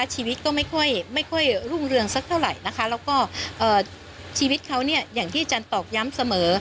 ชีวิตก็ไม่ค่อยรุ่งเรื่องสักเท่าไหร่แล้วจันทร์ตอบย้ำเสมอ